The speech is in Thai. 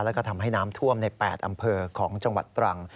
แล้วก็ทำให้น้ำท่วมใน๘อำเภอของจังหวัดตรัง